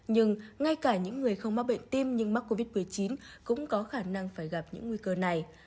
nhưng ngay cả những người không mắc bệnh tim nhưng mắc covid một mươi chín cũng có khả năng phải gặp những nguy cơ này